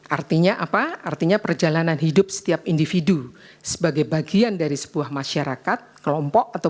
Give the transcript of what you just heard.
artinya apa artinya perjalanan hidup setiap individu sebagai bagian jane efektif kejahatan